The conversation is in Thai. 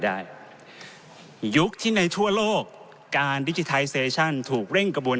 ได้ยุคที่ในทั่วโลกการดิจิทัยเซชั่นถูกเร่งกระบวน